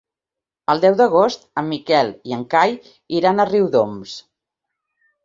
El deu d'agost en Miquel i en Cai iran a Riudoms.